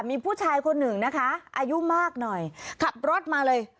มีผู้ชายคนหนึ่งนะคะอายุมากหน่อยขับรถมาเลย